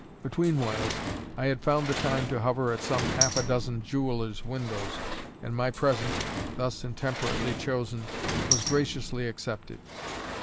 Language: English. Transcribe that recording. Between whiles, I had found the time to hover at some half a dozen jewellers' windows; and my present, thus intemperately chosen, was graciously accepted.